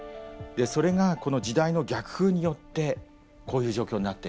それがこの時代の逆風によってこういう状況になっている。